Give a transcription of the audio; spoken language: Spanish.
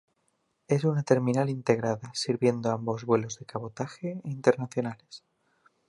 Es una terminal integrada, sirviendo ambos vuelos de cabotaje y internacionales.